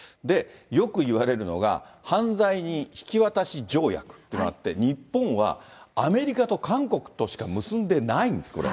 よくいわれるのが、犯罪人引渡条約っていうのがあって、日本はアメリカと韓国としか結んでないんです、これ。